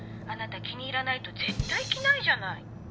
あなた気に入らないと絶対着ないじゃない。